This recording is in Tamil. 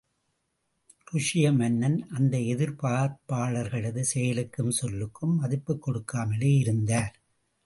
ருஷ்ய மன்னன் அந்த எதிர்ப்பாளர்களது செயலுக்கும் சொல்லுக்கும் மதிப்புக் கொடுக்காமலே இருந்தார்.